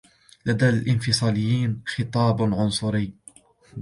لدى الإنفصاليين خطاب عنصري.